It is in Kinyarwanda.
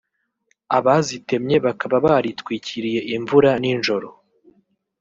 abazitemye bakaba baritwikiriye imvura n’ijoro